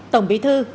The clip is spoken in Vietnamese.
tổng bí thư